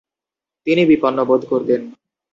তিনি বিপন্ন বোধ করতেন।